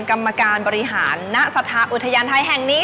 กรรมการบริหารณสถาอุทยานไทยแห่งนี้